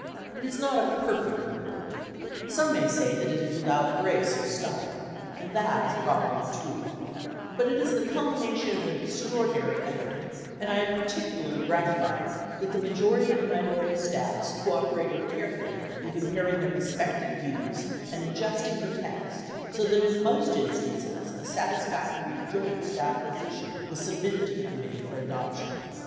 It is not a perfect report. Some may say that it is without grace or style, and that is probably true ; but it is the culmination of an extraordinary effort, and I am particularly gratified that the majority and minority staffs cooperated carefully in comparing their respective views and adjusting the text so that in most instances a satisfactory joint staff position was submitted to the committee for adoption.